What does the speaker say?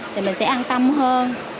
thì mình sẽ an tâm hơn